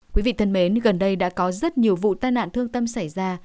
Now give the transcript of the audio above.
quý vị thân mến gần đây đã có rất nhiều vụ tai nạn thương tâm xảy ra